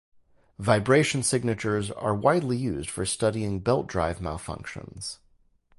Vibration signatures are widely used for studying belt drive malfunctions.